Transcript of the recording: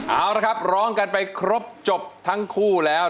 เอาละครับร้องกันไปครบจบทั้งคู่แล้ว